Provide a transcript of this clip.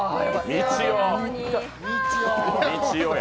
みちおや。